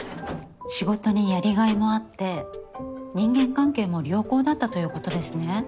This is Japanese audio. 仕事にやりがいもあって人間関係も良好だったということですね。